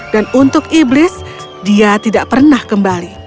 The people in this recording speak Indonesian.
dan untuk iblis dia tidak pernah kembali